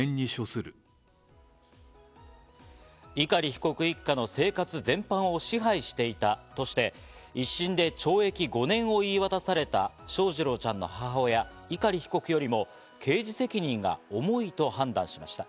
碇被告一家の生活全般を支配していたとして、１審で懲役５年を言い渡された翔士郎ちゃんの母親・碇被告よりも刑事責任が重いと判断しました。